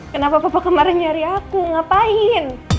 kenapa bapak kemarin nyari aku ngapain